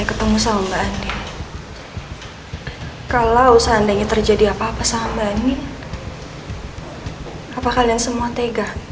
itu tadi lah dari ini